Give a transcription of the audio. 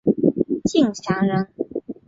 敬翔人。